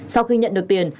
sau khi nhận được tiền